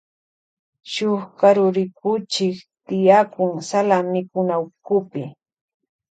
Shuk karurikuchik tiyakun sala mikunawkupi.